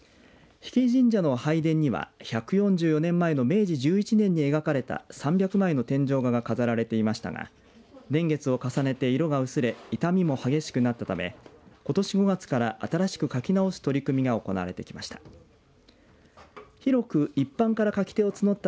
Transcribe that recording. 比木神社の拝殿には１４４年前の明治１１年に描かれた３００枚の天井画が飾られていましたが年月を重ねて、色が薄れ傷みも激しくなったためことし５月から新しく描き直す取り組みが行われてきました。